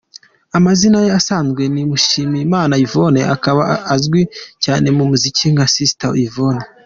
Amazina ye asanzwe ni Mushimiyimana Yvonne akaba azwi cyane mu muziki nka Sister Yvonne.